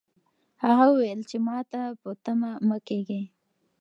هغه وویل چې ماته په تمه مه کېږئ.